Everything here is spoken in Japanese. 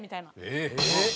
えっ！